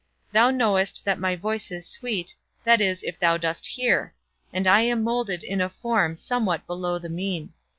Thou knowest that my voice is sweet, That is if thou dost hear; And I am moulded in a form Somewhat below the mean.